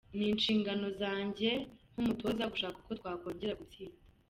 Ni inshingano zanjye nk’umutoza gushaka uko twakongera gutsinda.